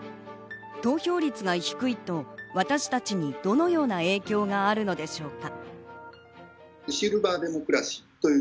投票率が低いと私たちにどのような影響があるのでしょうか。